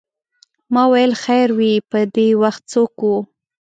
ما ویل خیر وې په دې وخت څوک و.